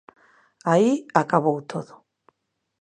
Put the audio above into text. Aí acabou todo.